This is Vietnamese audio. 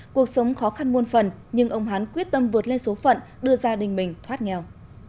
cuộc sống khó khăn muôn phần nhưng ông hán quyết tâm vượt lên số phận đưa gia đình mình thoát nghèo